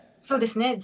そうですね。